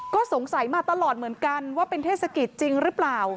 ก็สงสัยมาตลอดเหมือนกันว่าเป็นเทศกิจจริงหรือเปล่า